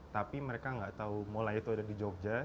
tapi mereka nggak tahu molai itu ada di jogja